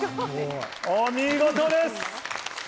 お見事です！